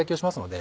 で